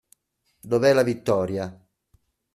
Dov'è la Vittoria.